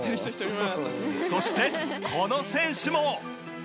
そして、この選手も。